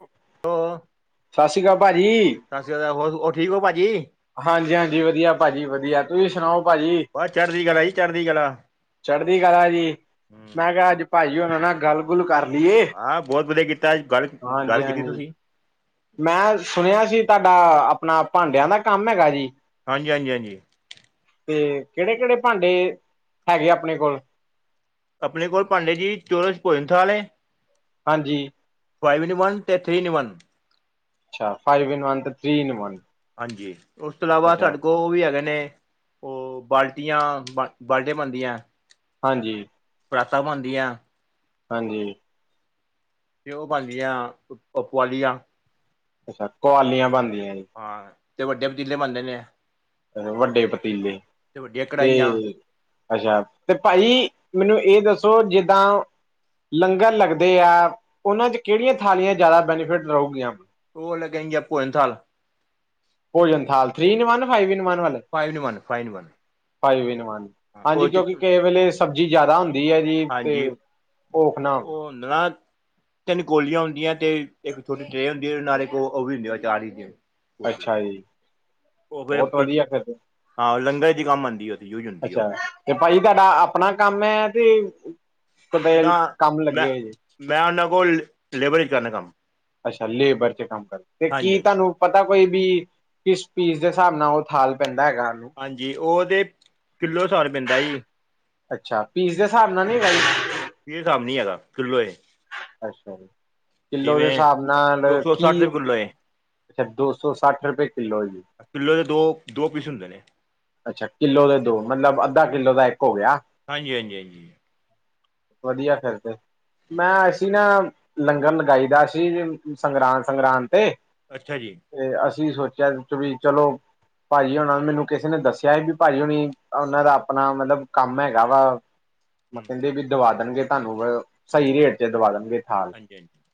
ਹਾਂ [inaudible] ਉਹ ਸਤਿ ਸ਼੍ਰੀ ਅਕਾਲ ਭਾਜੀ। ਸਤਿ ਸ੍ਰ ਆਲ ਹੋਰ ਠੀਕ ਹੋ ਭਾਜੀ? ਹਾਂਜੀ ਹਾਂਜੀ, ਵਧੀਆ ਭਾਜੀ ਵਧੀਆ, ਤੁਸੀਂ ਸੁਣਾਓ ਭਾਜੀ? ਬਸ ਚੜਦੀ ਕਲਾ ਜੀ ਚੜ ਚੜ੍ਹਦੀ ਕਲਾ ਜੀ, ਮੈਂ ਕਿਹਾ ਅੱਜ ਭਾਜੀ ਉਹਨਾਂ ਨਾ ਗੱਲ ਗੂਲ ਕਰ ਲਈਏ, ਹਾਂ ਬਹੁਤ ਵਧੀਆ ਕੀਤਾ ਅੱਜ ਗੱਲ ਹਾਂਜੀ ਗੱਲ ਕੀਤੀ ਹਾਂਜੀ। ਤੁਸੀਂ ਮੈਂ ਸੁਣਿਆ ਸੀ, ਤੁਹਾਡਾ ਆਪਣਾ ਭਾਂਡਿਆਂ ਦਾ ਕੰਮ ਹੈਗਾ ਜੀ? ਹਾਂਜੀ ਹਾਂਜੀ ਹਾਂਜੀ। ਤੇ ਕਿਹੜੇ ਕਿਹੜੇ ਭਾਂਡੇ ਹੈਗੇ ਆ ਆਪਣੇ ਕੋਲ? ਆਪਣੇ ਕੋਲ ਭਾਂਡੇ ਜੀ, ਚੋਰਸ ਭੋਜਨਥਾਲ ਐ। ਹਾਂਜੀ। ਫਾਈਵ ਇੰਨੀ ਵਨ ਤੇ ਥਰੀ ਇੰਨੀ ਵਨ। ਅੱਛਾ, ਫਾਈਵ ਇਨ ਵਨ ਤੇ ਥ੍ਰੀ ਇਨ ਵਨ। ਹਾਂਜੀ, ਉਸ ਤੋਂ ਇਲਾਵਾ ਅੱਛਾ ਸਾਡੇ ਕੋਲ ਉਹ ਵੀ ਹੈਗੇ ਨੇ ਉਹ ਬਾਲਟੀਆਂ ਬ ਬਾਲਟੀਆਂ ਬਣਦੀਆਂ। ਹਾਂਜੀ। ਪ੍ਰਰਾਤਾਂ ਬਣਦੀਆਂ। ਹਾਂਜੀ। ਤੇ ਉਹ ਬਣਦੀਆਂ ਪੋਆਲੀਆਂ। ਅੱਛਾ ਕੁਆਲੀਆਂ ਬਣਦੀਆਂ ਜੇ। ਹਾਂ ਤੇ ਵੱਡੇ ਪਤੀਲੇ ਬਨਦੇ ਨੇ। ਵੱਡੇ ਪਤੀਲੇ ਵੱਡੀਆਂ ਤੇ ਕੜਾਹੀਆਂ ਅੱਛਾ ਤੇ ਭਾਜੀ, ਮੈਨੂੰ ਇਹ ਦੱਸੋ ਜਿੱਦਾਂ ਲੰਗਰ ਲੱਗਦੇ ਆ ਉਹਨਾਂ ' ਕਿਹੜੀਆਂ ਥਾਲੀਆਂ ਜ਼ਿਆਦਾ ਬੈਨੀਫਿਟ ਰਹੇਗੀਆਂ? ਉਹ ਅਲੱਗ ਆਗੇ, ਭੋਜਨਥਾਲ। ਭੋਜਨਥਾਲ three in one five in one ਵਾਲੇ? Five in one, ਫਾਈਵਨ one [inaudible] five in one. ਹਾਂਜੀ ਉਹ ਚ ਕਿਉਂਕਿ ਕ ਵੇਲੇ ਸਬਜ਼ੀ ਜ਼ਿਆਦਾ ਹੁੰਦੀ ਹੈ ਜੀ ਤੇ ਹਾਂਜੀ ਭੁਖ ਨਾ ਹੋਵੇ। ਉਹ ਨਾ। ਤਿੰਨ ਕੋਲੀਆਂ ਹੁੰਦੀਆਂ ਤੇ ਇੱਕ ਛੋਟੀ ਟਰੇ ਹੁੰਦੀ ਹੈ ਨਾਲ ਉਹ ਵੀ ਹੁੰਦੀ ਆ ਚਾਰ ਹੁੰਦੇ। ਅੱਛਾ ਜੀ। ਉਹ ਬਹੁਤ ਫਿਰ ਵਧੀਆ ਤੇ ਹਾਂ ਲੰਗਰ ਚ ਕੰਮ ਆਉਂਦੀ ਉਥੇ ਅੱਛਾ ਤੇ ਭਾਜੀ ਤੁਹਾਡਾ ਆਪਣਾ ਕੰਮ ਹੈ ਤੇ ਕਿਤੇ ਨਾ ਕੰਮ ਮੈਂ ਲੱਗੇ ਹੋਏ ਜੀ ਮੈਂ ਉਹਨਾਂ ਕੋਲ ਲੇਬਰ ਹੀ ਕਰਨਾ ਕੰਮ। ਅੱਛਾ ਲੇਬਰ ਚ ਕੰਮ ਕਰ ਤੇ ਹਾਂਜੀ ਕੀ ਹਾਂਜੀ ਤੁਹਾਨੂੰ ਪਤਾ ਕੋਈ ਵੀ ਕਿਸ ਪੀਸ ਦੇ ਹਿਸਾਬ ਨਾਲ ਉਹ ਥਾਲ ਪੈਂਦਾ ਹੈਗਾਨੂੰ ਹਾਂਜੀ ਉਹ ਤੇ ਕਿੱਲੋ ਸੌ ਰੁਪੈਂ ਦਾ ਜ ਅੱਛਾ ਪੀਸ ਦੇ ਹਿਸਾਬ ਨਾਲ ਨੀ ਹੈਗਾ ਜੇ? ਇਹ ਹਿਸਾਬ ਨੀ ਹੈਗਾ ਕਿਲੋ ਇਹ। ਅੱਛਾ ਜੀ, ਕਿੱਲੋ ਦੇ ਹਿਸਾਬ ਨਾਲ ਦੋ ਸੌ ਸੱਠ ਕੀ ਰੁਪਏ ਕਿੱਲੋ ਏ ਅੱਛਾ ਦੋ ਸੌ ਸੱਠ ਰੁਪਏ ਕਿੱਲੋ ਜੀ। ਕਿਲੌ ਦੇ ਦੋ ਦੋ ਪੀਸ ਹੁੰਦੇ ਨੇ। ਅੱਛਾ ਕਿੱਲੋ ਦੇ ਦੋ ਮਤਲਬ ਅੱਧਾ ਕਿੱਲੋ ਦਾ ਇੱਕ ਹੋ ਗਿਆ। ਹਾਂਜੀ ਹਾਂਜੀ ਹਾਂਜੀ। ਵਧੀਆ ਫਿਰ ਤੇ ਮੈਂ ਅਸੀਂ ਨਾ ਲੰਗਰ ਲਗਾਈ ਦਾ ਸੀ ਸੰਗਰਾਂਦ ਸੰਗਰਾਂਦ ਤੇ ਅੱਛਾ ਜੀ। ਤੇ ਅਸੀਂ ਸੋਚਿਆ ਚਲੋ ਭਾਜੀ ਹੋਣਾ ਮੈਨੂੰ ਕਿਸ-' ਕਿਸ ਨੇ ਦੱਸਿਆ ਸੀ ਵੀ ਭਾਈ ਹੁਣੀ ਉਹਨਾਂ ਦਾ ਆਪਣਾ ਮਤਲਬ ਕੰਮ ਹੈਗਾ ਵਾ। ਮੈਂ ਹੂੰ ਕਹਿੰਦੇ ਵੀ ਦਵਾ ਦੇਣਗੇ ਤੁਹਾਨੂੰ ਸਹੀ ਹੂੰ ਰੇਟ ਚ ਦਵਾ ਦੇਣਗੇ ਥਾਲ। ਹਾਂਜੀ ਹਾਂਜੀ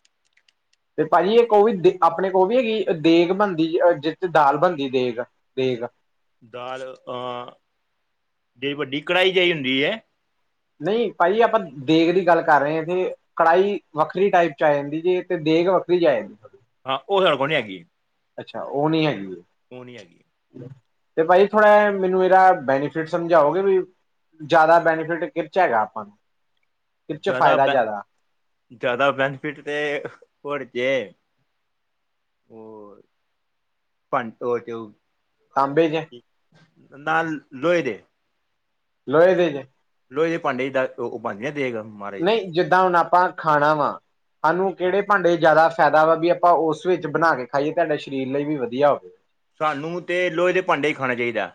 ਤੇ ਭਾਜੀ ਇਹ ਕੋ ਵੀ ਦੇ ਆਪਣੇ ਕੋ ਵੀ ਹੈਗੀ ਦੇਗ ਬਣਦੀ ਜਿ ਦਾਲ ਬਣਦੀ ਦੇਗ। ਠੀਕ ਆ। ਦਾਲ ਅ ਜੇ ਵੱਡੀ ਕੜਾਹੀ ਜਿਹੀ ਹੁੰਦੀ ਹੈ। ਨਹੀਂ ਭਾਈ ਆਪਾਂ ਦੇਗ ਦੀ ਗੱਲ ਕਰ ਰਹੇ ਹਾਂ ਤੇ ਕੜਾਹੀ ਵੱਖਰੀ ਟਾਈਪ ਚ ਆ ਜਾਂਦੀ ਜੀ ਤੇ ਦੇਗ ਵੱਖਰੀ ਚ ਆ ਜਾਂਦੀ ਤੁ ਹਾਂ ਉਹ ਸਾਡੇ ਕੋਲ ਨੀ ਹੈਗੀ ਹੈ। ਅੱਛਾ ਉਹ ਨਹੀਂ ਹੈਗੀ। ਉਹ ਨੀ ਹੈਗੀ। ਤੇ ਭਾਈ ਥੋੜਾ ਮੈਨੂੰ ਇਹਰਾ ਬੈਨੀਫਿਟ ਸਮਝਾਓਗੇ ਵੀ। ਜ਼ਿਆਦਾ ਬੈਨੀਫਿਟ ਕਿ ਚ ਹੈਗਾ ਆਪਾਂ ਨੂੰ ਕਿਹਦੇ ਚ ਜ਼ਿਆਦਾ ਫਾਇਦਾ ਬ ਜ਼ਿਆਦਾ ਬੈਨੀਫਿਟ ਤੇ ਹੋਰ ਜੇ ਭ ਉਹ ਤੇ ਤਾਂਬੇ ਦੀਆਂ ਜ ਨਾ ਲੋਹੇ ਦੇ ਲੋਹੇ ਦੇ ਜ ਲੋਹੇ ਦੇ ਪਾਂਡੇ ਉ ਪਾਉਂਦੇ ਨਾ ਦੇਗਾ। ਨਹੀਂ ਜਿੱਦਾਂ ਹੁਣ ਆਪਾਂ ਖਾਣਾ ਵਾ ਸਾਨੂੰ ਕਿਹੜੇ ਭਾਂਡੇ ਜ਼ਿਆਦਾ ਫਾਇਦਾ ਵਾ ਵੀ ਆਪਾਂ ਉਸ ਵਿੱਚ ਬਣਾ ਕੇ ਖਾਈਏ ਤੁਹਾਡੇ ਸਰੀਰ ਲਈ ਵੀ ਵਧੀਆ ਹੋਵੇ। ਸਾਨੂੰ ਤਾਂ ਲੋਹੇ ਦੇ ਭਾਂਡੇ ਹੀ ਖਾਣਾ ਚਾਹੀਦਾ।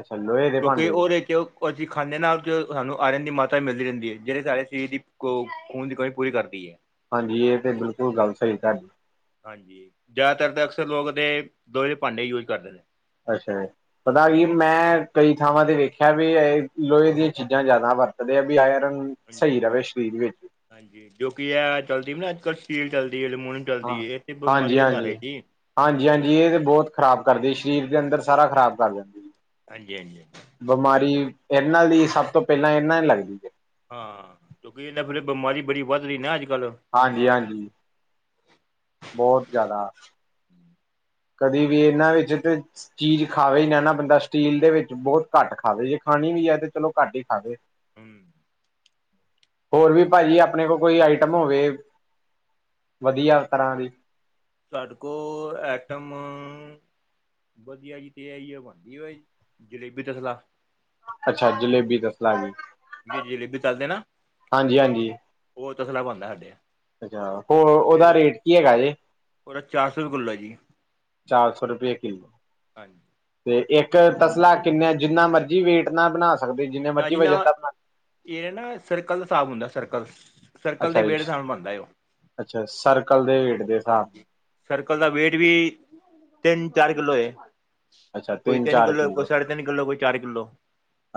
ਅੱਛਾ ਲੋਹੇ। ਦੇ ਕਿਉਂਕਿ ਭਾਂਡੇ ਉਹਦੇ 'ਚ ਉਹ ਅਸੀਂ ਖਾਂਦੇ ਨਾਲ ਸਾਨੂੰ ਆਰਅਨ ਦੀ ਮਾਤਾ ਵੀ ਮਿਲਦੀ ਰਹਿੰਦੀ ਹੈ ਜਿਹੜੇ ਸਾਡੇ ਸਰੀਰ ਦੀ ਖੂਨ ਦੀ ਕਮੀ ਪੂਰੀ ਕਰਦੀ ਹੈ। ਹਾਂਜੀ ਇਹ ਤੇ ਬਿਲਕੁਲ ਗੱਲ ਸਹੀ ਹਾਂਜੀ ਜ਼ਿਆਦਾਤਰ ਤਾਂ ਅਕਸਰ ਲੋਕ ਤੇ ਲੋਹੇ ਦੇ ਭਾਂਡੇ ਯੂਜ ਕਰਦੇ ਨੇ। ਅੱਛਾ ਏ ਪਤਾ ਵੀਰ, ਮੈਂ ਕਈ ਥਾਵਾਂ ਤੇ ਵੇਖਿਆ ਵੇ ਲੋਹੇ ਦੀਆਂ ਚੀਜ਼ਾਂ ਜ਼ਿਆਦਾ ਵਰਤਦੇ, ਭਈ ਆਇਰਨ ਹਾਂਜੀ- ਸਹੀ ਰਵੇ ਹਾਂਜੀ, ਸਰੀਰ ਵਿੱਚ ਹਾਂਜੀ ਕਿਂੳਕਿ ਏ ਚੱਲਦੀ ਏ ਨਾ ਅੱਜ ਕੱਲ ਸਟੀਲ ਚੱਲਦੀ ਏ, ੲਲਮੋਨਿ ਹਾਂ ਚਲਦੀ ਏ। ਏ ਤੇ ਹਾਂਜੀ ਬਿਮਾਰੀ ਤਾਂ ਘਰ ਹੈ ਹਾਂਜੀ। ਜੀ ਹਾਂਜੀ ਹਾਂਜੀ ਇਹ ਤੇ ਬਹੁਤ ਖ਼ਰਾਬ ਕਰਦੀ, ਸਰੀਰ ਦੇ ਅੰਦਰ ਸਾਰਾ ਖਰਾਬ ਕਰ ਦਿੰਦੀ ਹਾਂਜੀ ਹਾਂਜੀ। ਬਿਮਾਰੀ ਇਰ ਨਾਲ ਦੀ ਸਭ ਤੋਂ ਪਹਿਲਾਂ ਇਰ ਨਾਲ ਲੱਗਦੀ ਏ। ਹਾਂ ਕਿਉਂਕਿ ਇਹਦੇ ਨਾਲ ਫੇਰ ਬਿਮਾਰੀ ਬੜੀ ਵੱਧ ਰਹੀ ਨਾ ਅੱਜ ਕੱਲ ਹਾਂਜੀ ਹਾਂਜੀ। ਬਹੁਤ ਜ਼ਿਆਦਾ ਕਦੀ ਵੀ ਇਹਨਾਂ ਵਿੱਚ ਤ ਚੀਜ਼ ਖਾਵੇ ਨਾ ਨਾ ਬੰਦਾ ਸਟੀਲ ਦੇ ਵਿੱਚ ਬਹੁਤ ਘੱਟ ਖਾਵੇ ਜੇ ਖਾਣੀ ਵੀ ਹੈ ਤੇ ਚਲੋ ਘੱਟ ਹੀ ਖਾਵੇ। ਹੂੰ, ਹੋਰ ਵੀ ਆਪਾਂ ਭਾਜੀ ਤੇ ਆਪਣੇ ਕੋਲ ਕੋਈ ਆਈਟਮ ਹੋਵੇ ਵਧੀਆ ਤਰ੍ਹਾਂ ਦੀ। ਸਾਡੇ ਕੋਲ ਆਈਟਮ ਵਧੀਆ ਜੀ ਤੇ ਆ ਜ ਆ ਬਣਦੀ ਜਲੇਬੀ ਤਸਲਾ ਅੱਛਾ ਜਲੇਬੀ ਦਸ ਲਾ ਗਏ। ਜ ਜਲੇਬੀ ਚਲਦੇ ਨਾ ਹਾਂਜੀ ਉਹ ਤਸਲਾ ਪਾਉਂਦਾ ਸਾਡੇ ਆ। ਅੱਛਾ, ਔ ਉਹਦਾ ਰੇਟ ਕੀ ਹੈਗਾ ਜੇ। ਔਂਦਾ ਚਾਰ ਸੌ ਰੁਪਏ ਕੁਲ ਹੈ ਜੀ। ਚਾਰ ਸੌ ਰੁਪਏ ਕਿਲੋ ਹਾਂਜੀ ਤੇ ਇੱਕ ਤਸਲਾ ਕਿੰਨੇ, ਜਿੰਨਾ ਮਰਜੀ ਵੇਟ ਨਾ ਬਣਾ ਸਕਦੇ ਜਿੰਨੇ ਨਾ ਮਰਜੀ ਜੀ ਵਜਨ ਨਾ, ਦਾ ਬਣਾ ਇਹ ਨਾ ਸਰਕਲ ਦਾ ਹਿਸਾਬ ਹੁੰਦਾ, ਸਰਕਲ ਸਰਕਲ ਦੇ ਅੱਛਾ ਜੀ ਵੇਟ ਦੇ ਹਿਸਾਬ ਨਾਲ ਬਨਦਾ ਏ ਉਹ। ਅੱਛਾ ਸਰਕਲ ਦੇ ਵੇਟ ਦੇ ਹਿਸਾਬ ਨਾਲ, ਹਾਂਜੀ। ਸਰਕਲ ਦਾ ਵੇਟ ਵੀ ਤਿੰਨ, ਚਾਰ ਕਿਲੋ ਏ। ਕੋਈ ਤਿੰਨ ਕਿੱਲੋ, ਕੋਈ ਸਾਢੇ ਤਿੰਨ ਕਿੱਲੋ, ਕੋਈ ਚਾਰ ਕਿੱਲੋ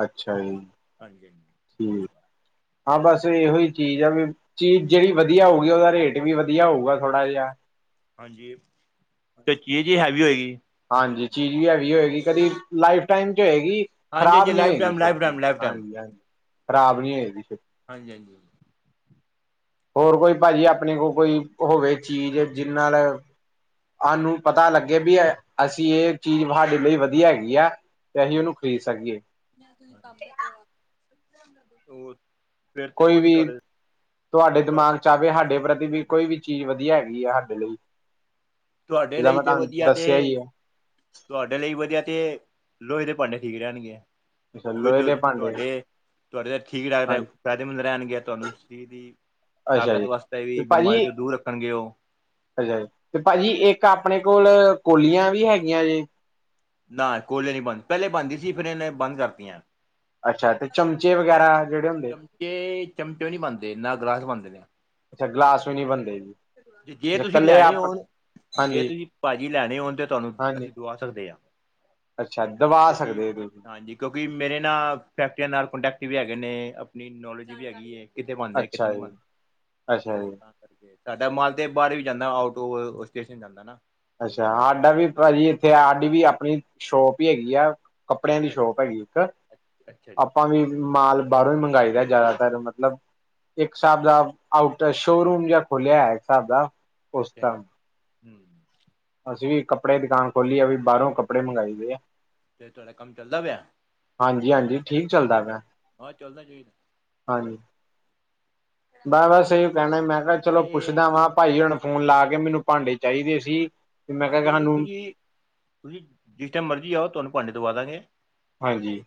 ਅੱਛਾ ਜੀ। ਹਾਂਜੀ ਹਾਂਜੀ। ਠੀਕ, ਹਾਂ ਬਸ ਇਹੋ ਹੀ ਚੀਜ਼ ਆ, ਵੀ ਚੀਜ਼ ਜਿਹੜੀ ਵਧੀਆ ਹੋਊਗੀ, ਉਹਦਾ ਰੇਟ ਵੀ ਵਧੀਆ ਹੋਊਗਾ ਥੋੜਾ ਜਿਹਾ ਹਾਂਜੀ ਤੇ ਚੀਜ਼ ਵੀ ਹੈਵੀ ਹੋਏਗੀ। ਹਾਂਜੀ ਚੀਜ਼ ਵੀ ਹੈਗੀ ਹੋਏਗੀ, ਕਦੀ ਲਾਈਫ ਟਾਈਮ ਝਏਗੀ। ਹਾਂਜੀ ਖ਼ਰਾਬ ਹਾਂਜੀ ਨੀ ਲਾਈਫ ਹੋਏਗੀ ਟਾਈਮ ਲਾਈਫ ਛੇਤੀ, ਟਾਈਮ ਲਾਈਫ ਟਾਈਮ ਹਾਂਜੀ ਹਾਂਜੀ। ਖ਼ਰਾਬ ਨੀ ਹੋਏਗੀ ਛੇਤੀ। ਹਾਂਜੀ ਹਾਂਜੀ। ਹੋਰ ਕੋਈ ਪਾੱਜੀ ਅਪਣੇ ਕੋਲ ਕੋਈ ਹੋਵੇ ਚੀਜ਼ ਜਿਰ ਨਾਲ ਸਾਨੂੰ ਪਤਾ ਲੱਗੇ ਵੀ, ਅਸੀਂ ਇਹ ਚੀਜ਼ ਸਾਡੇ ਲਈ ਵਧੀਆ ਹੈਗੀ ਏ। ਤੇ ਅਸੀ ਉਹਨੂੰ ਖਰੀਦ ਸਕੀਏ। [unintelligible] ਕੋਈ ਵੀ ਤੁਹਾਡੇ ਤੁਵਾਡੇ ਦਿਮਾਗ ਚਾਹਵੇ ਸਾਡੇ ਪ੍ਰਤੀ ਵੀ ਕੋਈ ਵੀ ਚੀਜ਼ ਵਧੀਆ ਹੈਗੀ ਆ ਸਾਡੇ ਲਈ ਤੁਹਾਡੇ ਲਈ ਲਵਾ ਤੇ ਤਾ ਵਧੀਆ ਤੇ ਦੱਸਿਆ ਹੀ ਏ। ਤੁਹਾਡੇ ਲਈ ਵਧੀਆ ਤੇ ਲੋੋਹੇ ਦੇ ਭਾਂਡੇ, ਠੀਕ ਰਹਿਣਗੇ। ਅੱਛਾ ਕੁਝ ਲੋਹੇ ਔ ਦੇ ਭਾਂਡੇ ਤੁਹਾਡੇ, ਤੁਹਾਡੇ ਲਈ ਠੀਕ ਰਹਣ ਹਾਂਜੀ ਫਾਇਦੇਮੰਦ ਰਹਿਣਗੇ ਤੁਹਾਨੂੰ ਅੱਛਾ ਤਾਕਤ ਜੀ ਵਾਸਤੇ ਤੇ ਵੀ, ਬਿਮਾਰੀ ਭਾਜੀ ਤੋਂ ਦੂਰ ਰੱਖਣਗੇ ਉਹ ਅੱਛਾ, ਤੇ ਭਾੱ ਜੀ ਇੱਕ ਅਪਣੇ ਕੋਲ ਕੋਲੀਆਂ ਵੀ ਹੈਗੀਆਂ ਜੇ ਨਾ ਕੋਲੇ ਨੀ ਬੰਣ, ਪਹਿਲੇ ਬਣਦੀ ਸੀ ਫਿਰ ਇਹ ਬੰਦ ਕਰਤੀਆਂ। ਅੱਛਾ, ਤੇ ਚਮਚੇ ਵਗੈਰਾ ਜਿਹੜੇ ਹੁੰ ਚਮਚੇ, ਚਮਚੇ ਨੀ ਬਣਂਦੇ ਨਾ ਗਲਾਸ ਬਣਦੇ ਨੇ। ਅੱਛਾ ਗਲਾਸ ਵੀ ਨਹੀਂ ਬਣਦੇ ਜੀ ਜੇ ਅੱਛਾ ਤੁਸੀਂ ਇਕੱਲੇ ਲੈਣੇ ਆਪ ਹੋਣ ਜੇ ਹਾਂਜੀ ਤੁਸੀਂ ਭਾਜੀ ਲੈਣੇ ਹੋਣ ਤੇ ਤੁਹਾਨੂੰ ਹਾਂਜੀ ਅਸੀਂ ਦਵਾ ਸਕਦੇ ਹਾਂ ਅੱਛਾ ਦਵਾ ਕਿਉਂਕਿ ਸਕਦੇ ਤੁਸੀਂ ਹਾਂਜੀ ਕਿਉਂਕਿ ਮੇਰੇ ਨਾਲ ਫੈਕਟਰੀਆਂ ਨਾਲ ਕੰਟੈਕਟ ਵੀ ਹੈਗੇ ਨੇ ਆਪਣੀ ਨੌਲੇਜ ਵੀ ਹੈਗੀ ਹੈ ਕਿਤੇ ਬਣਦਾ ਕਿਤੇ ਅੱਛਾ ਨੀ ਜੀ ਬਣਦਾ ਅੱਛਾ ਹੋਰ ਜੀ ਤਾਂ ਸਾਡਾ ਮਾਲ ਤੇ ਬਾਹਰ ਵੀ ਜਾਂਦਾ ਆਊਟ ਉਫ ਸਟੇਸ਼ਨ ਜਾਂਦਾ ਨਾ ਅੱਛਾ ਸਾਡਾ ਵੀ ਭਾਜੀ ਇੱਥੇ ਸਾਡੀ ਵੀ ਆਪਣੀ ਸ਼ੋਪ ਹੀ ਹੈਗੀ ਆ ਕੱਪੜਿਆਂ ਦੀ ਅੱਛਾ ਜੀ ਸ਼ੋਕ ਹੈਗੀ ਇੱਕ ਅੱਛਾ ਜੀ ਆਪਾਂ ਵੀ ਮਾਲ ਬਾਹਰੋਂ ਹੀ ਮੰਗਾਈ ਦਾ ਜ਼ਿਆਦਾਤਰ ਮਤਲਬ ਇੱਕ ਸਾਹਬ ਦਾ ਆਊਟਰ ਸ਼ੋਰੂਮ ਜਿਆ ਖੁਲਿਆ ਹੈ ਸਾਬ ਦਾ ਉਸ ਅੱਛਾ ਤਾਂ ਹਮ ਅਸੀਂ ਵੀ ਕੱਪੜੇ ਦੁਕਾਨ ਖੋਲੀ ਆ ਵੀ ਬਾਹਰੋਂ ਕੱਪੜੇ ਮੰਗਏ ਦੇ ਆ ਫਰ ਤੁਹਾਡਾ ਕੰਮ ਚੱਲਦਾ ਪਿਆ ਹਾਂਜੀ ਹਾਂਜੀ ਠੀਕ ਚੱਲਦਾ ਪਿਆ ਹਾਂ ਚੱਲਦਾਂਗੇ। ਹਾਂਜੀ। ਬਸ ਬਸ ਏਹੀ ਕਹਿਣਾ ਸੀ। ਮੈਂ ਕਿਹਾ ਚਲੋ ਤੇ ਪੁੱਛਦਾ ਵਾਂ ਭਾਈ ਜੀ ਨੂੰ ਫੋਨ ਲਾ ਕੇ, ਮੈਨੂੰ ਭਾਂਡੇ ਚਾਹੀਦੇ ਸੀ ਤੇ ਮੈਂ ਕਿਹਾ ਹਾਂਜੀ ਹਾਂਜੀ, ਸਾਨੂੰ ਤੁਸੀ ਤੁਸੀ ਜਿਸ ਟਾਈਮ ਮਰਜ਼ੀ ਆਓ, ਤੁਹਾਨੂੰ ਭਾਂਡੇ ਦਵਾ ਦਾਂਗੇ। ਹਾਂਜੀ।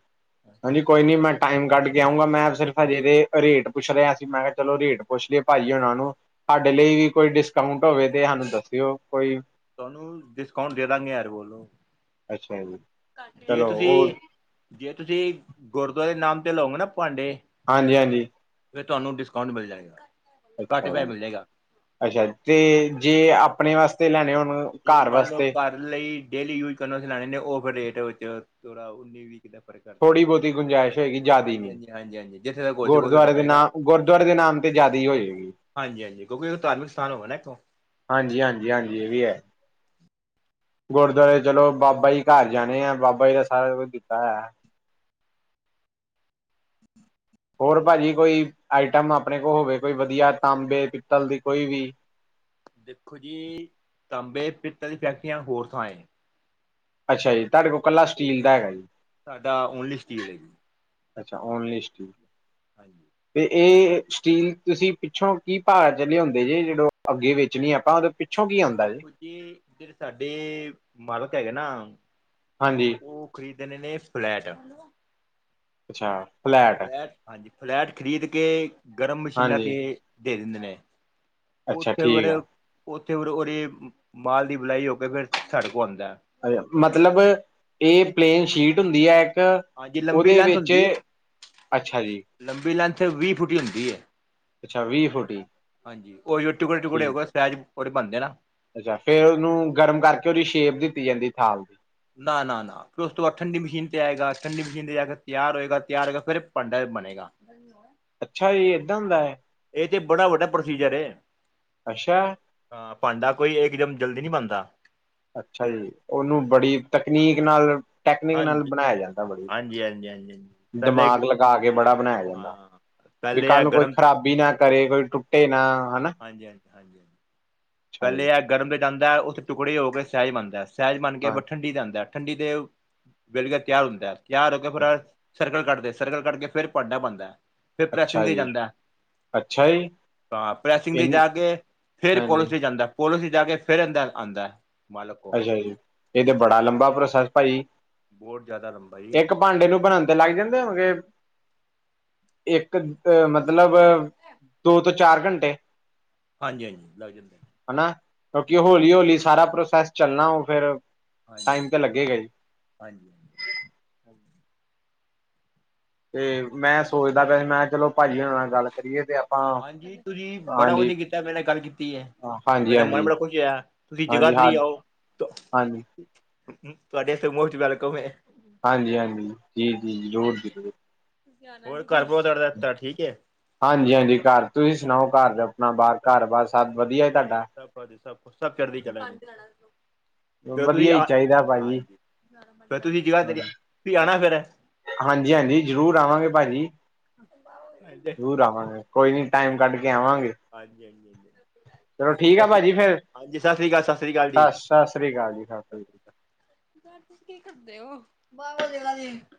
ਹਾਂਜੀ ਕੋਈ ਨੀ ਮੈਂ ਟਾਈਮ ਕੱਢ ਕੇ ਆਊਂਗਾ, ਮੈਂ ਸਿਰਫ ਹਜੇ ਏਦੇ ਰੇਟ ਪੁੱਛ ਰਿਹਾ ਸੀ, ਮੈਂ ਕਿਹਾ ਚਲੋ ਰੇਟ ਪੁੱਛ ਲਿਔ ਭਾੱ ਜੀ ਉਹਨਾਂ ਨੂੰ, ਸਾਡੇ ਲਈ ਵੀ ਕੋਈ ਡਿਸਕਾਊਂਟ ਹੋਵੇ ਤੇ ਸਾਨੂੰ ਦੱਸਿਓ, ਕੋਈ ਤੁਹਾਨੂੰ ਡਿਸਕਾਊਂਟ ਦੇ ਦਾਂਗੇ ਯਾਰ ਬੋਲੋ ਅੱਛਾ ਜੀ ਜੇ ਚਲੋ ਉਹ ਤੁਸੀਂ ਜੇ ਤੁਸੀਂ ਗੁਰਦੁਆਰੇ ਨਾਮ ਤੇ ਲਓਗੇ ਨਾ ਭਾਂਡੇ ਹਾਂਜੀ ਹਾਂਜੀ ਫੇਰ ਤੁਹਾਨੂੰ ਡਿਸਕਾਊਂਟ ਮਿਲ ਜਾਏਗਾ ਘੱਟ ਅੱਛਾ ਪੈਸੇ ਜੀ ਮਿਲ ਜਾਏਗਾ ਅੱਛਾ ਤੇ ਜੇ ਆਪਣੇ ਵਾਸਤੇ ਲੈਣੇ ਹੋਣ ਜ ਘਰ ਮੰਨ ਲਓ ਵਾਸਤੇ ਘਰ ਲਈ ਡੇਲੀ ਯੂਜ ਕਰਨ ਵਾਸਤੇ ਲਣੇ ਨੇ ਉਹ ਫਿਰ ਰੇਟ ਵਿੱਚ ਥੋੜਾ ਉੱਨੀ ਵੀ ਕਿੱਦਾਂ ਫਰਕ ਥੋੜ੍ਹੀ ਕਰਦੇਹਾ ਬਹੁਤੀ ਗੁੰਜਾਇਸ਼ ਹੋਏਗੀ ਜ਼ਿਆਦੀ ਹਾਂਜੀ ਨੀ ਹਾਂਜੀ ਹਾਂਜੀ ਹਾਂਜੀ ਜਿੱਥੇ ਦਾ ਕੋਲ ਸੀ ਗੁਰਦੁਆਰੇ ਨਾਮ ਗੁਰਦੁਆਰੇ ਦੇ ਨਾਮ ਤੇ ਜ਼ਿਆਦਾ ਹੋਏਗੀ ਹਾਂਜੀ ਹਾਂਜੀ ਕਿਉਕਿ ਧਾਰਮਿਕ ਸਥਾਨ ਹੋਵੇ ਨਾ ਇੱਕੋ ਹਾਂਜੀ ਹਾਂਜੀ ਹਾਂਜੀ ਇਹ ਵੀ ਹੈ ਗੁਰਦੁਆਰੇ ਚਲੋ ਬਾਬਾ ਜੀ ਘਰ ਜਾਣੇ ਆ ਬਾਬਾ ਜੀ ਦਾ ਸਾਰਾ ਕੁਛ ਦਿੱਤਾ ਹੈ ਹੋਰ ਭਾਜੀ ਕੋਈ ਆਈਟਮ ਆਪਣੇ ਕੋਲ ਹੋਵੇ ਕੋਈ ਵਧੀਆ ਤਾਂਬੇ ਪਿੱਤਲ ਦੀ ਕੋਈ ਵੀ ਦੇਖੋ ਜੀ ਤਾਂਬੇ ਪਿੱਤਲ ਦੀ ਫੈਕਟਰੀਆਂ ਹੋਰ ਥਾਂ ਏ। ਅੱਛਾ ਜੀ ਤੁਹਾਡੇ ਕੋਲ ਕੱਲਾ ਤੇ ਸਟੀਲ ਦਾ ਹੈਗਾ। ਸਾਡਾ ਓਨਲੀ ਸਟੀਲ ਹੈ ਜੀ ਅੱਛਾ ਓਨ ਲਿਸਟ ਹਾਂਜੀ। ਇਹ ਸਟੀਲ ਤੁਸੀਂ ਪਿੱਛੋਂ ਕੀ ਭਾਅ ਲਿਆਉਂਦੇ ਜੇ ਜਿਦੋ ਅੱਗੇ ਵੇਚਣੀ ਆਪਾਂ ਪਿੱਛੋਂ ਕੀ ਆਉਂਦਾ ਜੀ ਦੇਖੋ ਜੀੜੇ ਸਾਡੇ ਮਾਲਕ ਹੈਗੇ ਨਾ ਹਾਂਜੀ ਉਹ ਖਰੀਦਣੇ ਨੇ ਫਲੈਟ ਅੱਛਾ ਫਲੈਟ ਹਾਂਜੀ ਫਲੈਟ ਖਰੀਦ ਕੇ ਗਰਮ ਮਸ਼ੀਨਾਂ ਤੇ ਹਾਂਜੀ ਦੇ ਦਿੰਦੇ ਨੇ ਅੱਛਾ ਉੱਥੇ ਫਿਰ ਠੀਕ ਆ ਉੱਥੇ ਫਿਰ ਉਹਦੀ ਮਾਲ ਦੀ ਬੁਲਾਈ ਹੋ ਕੇ ਫਿਰ ਸਾਡੇ ਕੋਲ ਆਉਂਦਾ ਮਤਲਬ ਇਹ ਪਲੇਨ ਸ਼ੀਟ ਹੁੰਦੀ ਹੈ ਇੱਕ ਹਾਂਜੀ ਲੰਬੀ ਉਹਦੇ ਲੈਂਥ ਵਿੱਚ ਹੁੰਦੀ ਹੈ ਅੱਛਾ ਜੀ ਲੰਬੀ ਲੈਂਨਥ ਵੀਹ ਫੁੱਟ ਹੁੰਦੀ ਹੈ ਅੱਛਾ ਵੀਹ ਫੋਟੀ- ਹਾਂਜੀ ਉਇਓ ਟੁਕੜੇ-ਟੁਕੜੇ ਹੋ ਗਏ ਸਕਰੈਚ ਉਹਦੇ ਬਣਦੇ ਨਾ ਅੱਛਾ ਫੇਰ ਉਹਨੂੰ ਗਰਮ ਕਰਕੇ ਉਹਦੀ ਸ਼ੇਪ ਦਿੱਤੀ ਜਾਂਦੀ ਥਾਲ ਨਾ-ਨਾ-ਨਾ। ਫੇਿਰ ਉਸ ਤੋਂ ਬਾਅਦ ਠੰਡੀ ਮਸ਼ੀਨ ਤੇ ਆਏਗਾ। ਠੰਡੀ ਮਸ਼ੀਨ ਤੇ ਜਾ ਕੇ ਤਿਆਰ ਹੋਏਗਾ। ਤਿਆਰ ਹੋਏਗਾ ਫਿਰ ਭਾਂਡਾ ਇਹ ਬਣੇਗਾ। [inaudible] ਅੱਛਾ ਜੀ ਏਦਾਂ ਹੁੰਦਾ। ਇਹ ਤੇ ਬੜਾ ਵੱਡਾ ਪ੍ਰੋਸੀਜਰ ਏ। ਅੱਛਾ। ਹਾਂ ਪਾਂਡਾ ਕੋਈ ਇੱਕ ਜਮ ਜਲਦੀ ਨੀ ਬਣਦਾ। ਅੱਛਾ ਜੀ ਉਹਨੂੰ ਹਾਂਜੀ ਬੜੀ ਤਕਨੀਕ ਨਾਲ ਟੈਕਨਿਕ ਨਾਲ ਹਾਂਜੀ ਬਣਾਇਆ ਜਾਂਦਾ ਵਾ। ਹਾਂਜੀ ਹਾਂਜੀ ਹਾਂਜੀ ਪਹਿਲੇ ਦਿਮਾਗ ਲਗਾ ਕੇ ਬੜਾ ਬਣਾਇਆ ਜਾਂਦਾ। ਹਾਂ ਵੀ ਪਹਿਲੇ ਕੱਲ ਆ ਨੂੰ ਕੋਈ ਗਰਮ ਖਰਾਬੀ ਨਾ ਕਰੇ ਕੋਈ ਟੁੱਟੇ ਨਾ ਹੈਨਾ। ਹਾਂਜੀ-ਹਾਂਜੀ। ਪਹਿਲੇ ਅ ਗਰਮ ਤੇ ਜਾਂਦਾ। ਉੱਥੇ ਟੁਕੜੇ ਹੋ ਕੇ ਸਹਿਜ ਬਣਦਾ, ਸਹਿਜ ਬਣ ਕੇ ਹਾਂ ਠੰਡੀ ਤੇ ਆਂਦਾ। ਠੰਡੀ ਦੇ ਵੇਲ ਗਿਆ ਤਿਆਰ ਹੁੰਦਾ ਤਿਆਰ ਹੋ ਕੇ ਫਿਰ ਸਰਕਲ ਕੱਟਦੇ ਨੇ ਸਰਕਲ ਕੱਟ ਕੇ ਫਿਰ ਪਾਂਡਾ ਬਣਦਾ। ਫਿਰ ਪ੍ਰੈਸਿੰਗ ਅੱਛਾ ਦੇ ਜੀ ਜਾਂਦਾ। ਅੱਛਾ ਜੀ ਤਾਂ ਪ੍ਰੈਸਿੰਗ ਤੇ ਇਨ ਜਾ ਕੇ ਫਿਰ ਹਾਂਜੀ ਪੋਲੀਥੀਨ ਜਾਂਦਾ ਪੋਲੋ ਸੀ ਜਾ ਕੇ ਫਿਰ ਅੰਦਰ ਆਂਦਾ ਮਾਲ ਓ। ਇਹ ਤੇ ਬੜਾ ਲੰਬਾ ਪ੍ਰੋਸੈਸ ਪਾਜੀ। ਬਹੁਤ ਜ਼ਿਆਦਾ ਲੰਬਾ ਜੀ। ਪਾਡੇ ਨੂੰ ਬਣਾਨ ਤੇ ਲੱਗ ਜਾਂਦੇ ਹੋਣ ਗੇ- ਇੱਕ ਮਤਲਬ ਦੋ ਤੋਂ ਚਾਰ ਘੰਟੇ- ਹਾਂਜੀ ਹਾਂਜੀ ਲੱਗ ਜਾਂਦਾ ਹਨਾ ਕਿਉਂਕਿ ਲੱਗ ਜਾਂਦਾ ਹੌਲੀ-ਹੌਲੀ ਸਾਰਾ ਪ੍ਰੋਸੈਸ ਚੱਲਣਾ ਉਹ ਫੇਰ ਹਾਂਜੀ-ਹਾਂਜੀ-ਹਾਂਜੀ। ਤੇ ਮੈਂ ਸੋਚਦਾ ਪਿਆ ਮੈਂ ਕਿਹਾ ਚਲੋ ਪਾਜੀ ਹੋਨਾਂ ਨਾਲ ਗੱਲ ਕਰੀਏ ਤੇ ਆਪਾਂ ਹਾਂਜੀ ਬੜਾ ਹਾਂਜੀ ਵਧੀਆ ਕੀਤਾ ਤੁਸੀਂ ਮੇਰੇ ਨਾਲ ਗੱਲ ਕੀਤੀ ਏ ਹਾਂਜੀ ਮੇਰਾ ਮਨ ਹਾਂਜੀ ਬੜਾ ਖੁਸ਼ ਹੋਇਆ ਤੁਸੀਂ ਹਾਂਜੀ ਹਾਂ ਜਗ੍ਹਾਧਰੀ ਆਓ। ਹਾਂਜੀ। ਤੁਹਾਡੇ ਐਥੇ ਮੋਸਟ ਵੈਲਕਮ ਏ। ਹਾਂਜੀ-ਹਾਂਜੀ, ਜੀ-ਜੀ, ਜ਼ਰੂਰ-ਜ਼ਰੂਰ। ਹੋਰ ਘਰ ਬਹੁਤ ਅੜ ਰਿਹਾ ਰਸਤਾ ਠੀਕ ਏ। ਹਾਂਜੀ-ਹਾਂਜੀ ਘਰ ਤੁਸੀਂ ਸੁਣਾਓ ਘਰ ਆਪਣਾ ਬਾਹਰ ਘੱਰ- ਬਾਰ ਸਭ ਵਧੀਆ ਤੁਹਾਡਾ। ਅੱਛਾ ਸਭ ਚੜ੍ਹਦੀਕਲਾ ਹਾਂਜੀ। ਫਿਰ ਤੁਸੀਂ ਵਧੀਆ ਆ ਹੀ ਚਾਹੀਦਾ ਭਾਜੀ ਹਾਂਜੀ ਫਿਰ ਤੁਸੀਂ ਜ੍ਹਗਾਧਰੀ ਤੁਸੀਂ ਆਣਾ ਫੇਿਰ ਹਾਂਜੀ-ਹਾਂਜੀ ਜ਼ਰੂਰ ਆਵਾਂਗੇ ਪਾਜੀ। [inaudible] ਜ਼ਰੂਰ ਆਵਾਂਗੇ ਕੋਈ ਨੀ ਟਾਈਮ ਕੱਢ ਕੇ ਆਵਾਂਗੇ ਹਾਂਜੀ ਹਾਂਜੀ ਚਲੋ ਠੀਕ ਆ ਹਾਂਜੀ ਭਾਜੀ ਫੇਰ ਹਾਂਜੀ ਸਤਿ ਸ਼੍ਰੀ ਅਕਾਲ ਸਤਿ ਸ਼੍ਰੀ ਅਕਾਲ ਜੀ ਸ੍ਰੀ ਅਕਾਲ ਜੀ ਸ੍ਰੀ ਅਕਾਲ ਸਤਿ ਸ਼੍ਰੀ ਅਕਾਲ ਘ ਤੁਸੀਂ ਕੀ ਕਰਦੇ ਹੋ ਬਾਵਾ ਜਾ ਜ